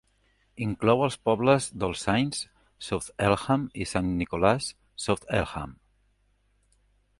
Inclou els pobles d'All Saints, South Elmham i Sant Nicholas, South Elmham.